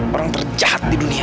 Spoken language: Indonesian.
orang terjahat di dunia